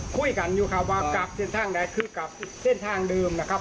คุยกันอยู่ครับว่ากลับเส้นทางใดคือกลับเส้นทางเดิมนะครับ